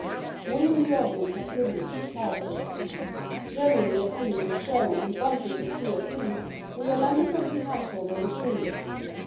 We in the audience are privileged characters. Generally attending the show in bunches of two or three, we are members of the household on the screen.